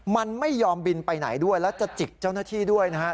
มันไม่ยอมบินไปไหนด้วยแล้วจะจิกเจ้าหน้าที่ด้วยนะครับ